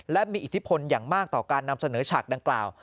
และมีอิทธิพลอย่างมากต่อการนำเสนอฉากดังกล่าว